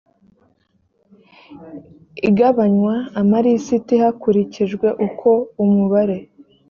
igabanywa amalisiti hakurikijwe uko umubare